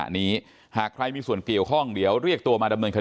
แต่มันถือปืนมันไม่รู้นะแต่ตอนหลังมันจะยิงอะไรหรือเปล่าเราก็ไม่รู้นะ